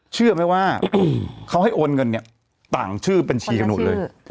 เชื่อไหมว่าเขาให้โอนเงินเนี่ยต่างชื่อบัญชีกันหมดเลย